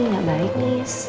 gak baik nis